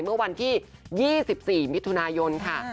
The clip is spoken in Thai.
เมื่อวันที่๒๔มิถุนายนค่ะ